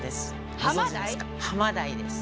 ハマダイです。